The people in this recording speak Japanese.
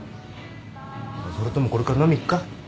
それともこれから飲み行くか？